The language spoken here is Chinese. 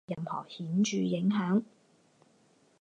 但他们的音乐风格对王菲没有任何显着影响。